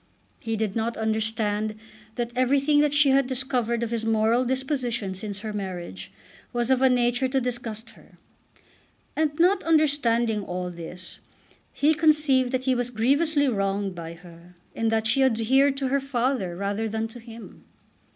He did not understand that everything that she had discovered of his moral disposition since her marriage was of a nature to disgust her. And, not understanding all this, he conceived that he was grievously wronged by her in that she adhered to her father rather than to him.